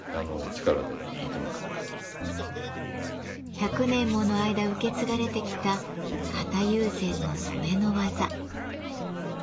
１００年もの間受け継がれてきた型友禅の染めの技。